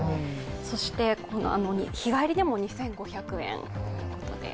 日帰りでも２５００円ということで。